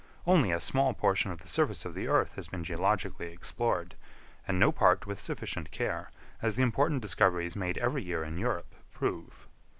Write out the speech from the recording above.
Only a small portion of the surface of the earth has been geologically explored, and no part with sufficient care, as the important discoveries made every year in Europe prove.